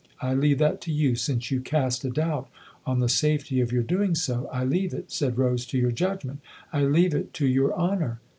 " I leave that to you since you cast a doubt on the safety of your doing so. I leave it/' said Rose, "to your judgment I leave it to your honour."